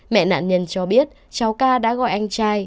mẹ nạn nhân cho biết cháu ca đã gọi anh trai